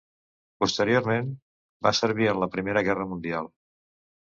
Posteriorment va servir en la Primera Guerra Mundial.